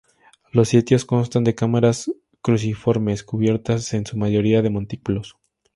Los sitios constan de cámaras cruciformes cubiertas en su mayoría de montículos.